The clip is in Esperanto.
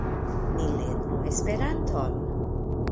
Ni lernu Esperanton.